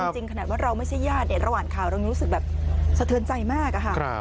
จริงขนาดว่าเราไม่ใช่ญาติระหว่างข่าวเรารู้สึกแบบสะเทือนใจมากอะค่ะ